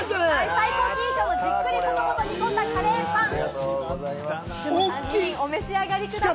最高金賞のじっくりコトコト煮込んだカレーパン、お召し上がりください。